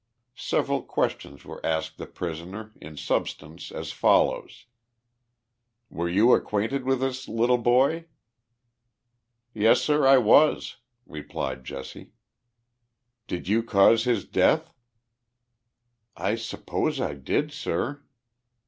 Several questions were asked the prisoner, in substance, as follows : Was you acquainted with this little boy ?" u Yes, sir, I was," replied Jesse. u Did you cause his death ?" u I suppose I did, sir."